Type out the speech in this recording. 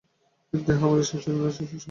এই দেহই আমার শ্রেষ্ঠ যন্ত্র, শ্রেষ্ঠ সহায়।